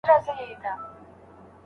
تر څو چي هغوی دده ملګري وي.